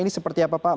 ini seperti apa pak